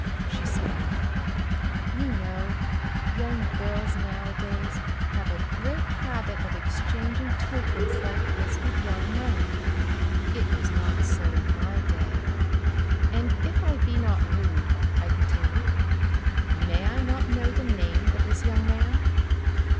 She smiled. "You know, young girls nowadays have a great habit of exchanging tokens like this with young men. It was not so in my day." "And if I be not rude," I continued, "may I not know the name of this young man?"